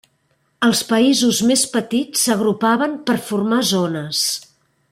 Els països més petits s'agrupaven per formar zones.